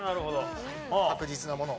確実なものを。